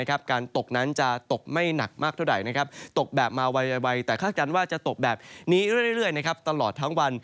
การตกนั้นจะตกไม่หนักมากเท่าไหร่ตกแบบมาไวแต่คาดการณ์ว่าจะตกแบบนี้เรื่อยตลอดทั้งวัน